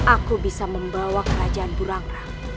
aku bisa membawa kerajaan burangga